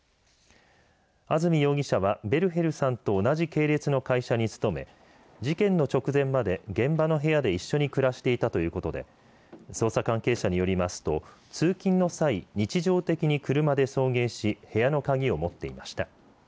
安住容疑者はベルヘルさんと同じ系列の会社に勤め事件の直前まで現場の部屋で一緒に暮らしていたということで捜査関係者によりますと通勤の際、日常的に車で送迎し部屋の鍵を持っていました。